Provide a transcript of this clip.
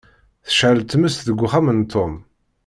Tecεel tmes deg uxxam n Tom.